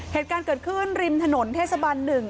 เหตุการณ์เกิดขึ้นริมถนนเทศบัน๑